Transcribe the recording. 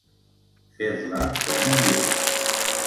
Fer-la com un lluç.